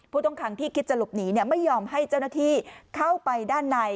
ผู้ต้องขังที่คิดจะหลบหนีไม่ยอมให้เจ้าหน้าที่เข้าไปด้านใน